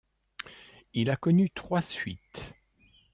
Il a connu trois suites.